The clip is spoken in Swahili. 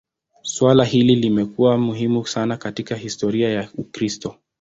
Suala hili limekuwa muhimu sana katika historia ya Ukristo.